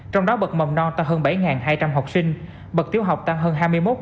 trong đó bậc mầm non tăng hơn bảy hai trăm linh học sinh bậc tiếu học tăng hơn hai mươi một bảy trăm linh